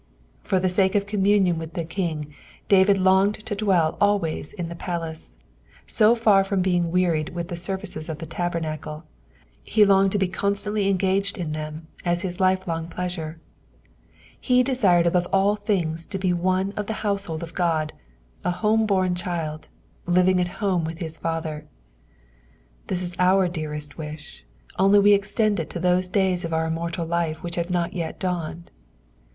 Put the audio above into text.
''' For the sake of com munion with the King, David longed to dwell always in the palace ; so far from being wearied with the services of the Tabernacle, the longed to be constantly engaged in them, as his life long pleasure. He desired, above all things to be one of the household of Qod, a home bom child, living at home vith his father. This b our dearest wish, ooly we extend it to those days of our immortal life ■which have not yet dawned.